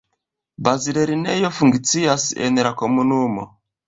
Bazlernejo funkcias en la komunumo.